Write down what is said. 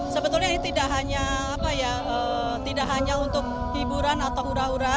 sebetulnya ini tidak hanya untuk hiburan atau hura hura